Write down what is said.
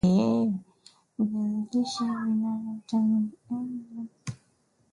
viazi lishe vina vitamin A mara tatu ya viazi vitamu